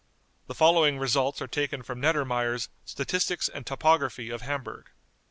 The following results are taken from Neddermeyer's "Statistics and Topography of Hamburg."